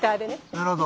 なるほど。